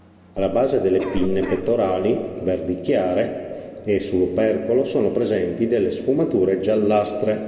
Alla base delle pinne pettorali, verdi chiare, e sull'opercolo sono presenti delle sfumature giallastre.